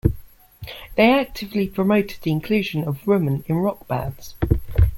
They actively promoted the inclusion of women in rock bands.